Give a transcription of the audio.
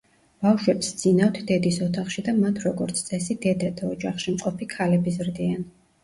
ბავშვებს სძინავს დედის ოთახში და მათ როგორც წესი დედა და ოჯახში მყოფი ქალები ზრდიან.